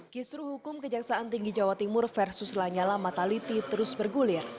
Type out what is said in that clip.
kisru hukum kejaksaan tinggi jawa timur versus lanyala mataliti terus bergulir